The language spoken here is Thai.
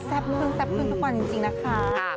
แซ่บขึ้นทุกวันนี้จริงนะคะ